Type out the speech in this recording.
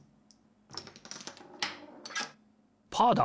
パーだ！